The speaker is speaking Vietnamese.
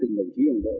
từng đồng chí đồng đội